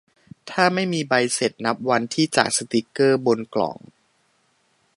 ถ้าไม่มีใบเสร็จ นับวันที่จากสติ๊กเกอร์บนกล่อง